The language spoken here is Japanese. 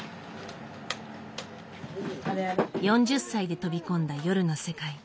４０歳で飛び込んだ夜の世界。